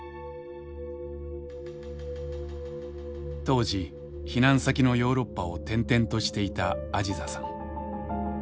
当時避難先のヨーロッパを転々としていたアジザさん。